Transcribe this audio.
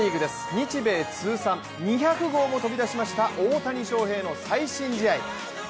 日米通算２００号も飛び出しました大谷翔平の最新試合。